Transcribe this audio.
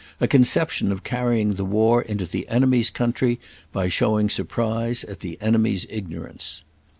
a conception of carrying the war into the enemy's country by showing surprise at the enemy's ignorance.